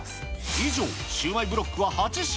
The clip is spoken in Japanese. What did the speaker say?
以上、シューマイブロックは８品。